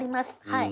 はい。